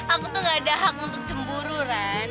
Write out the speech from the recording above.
aku tuh gak ada hak untuk cemburu kan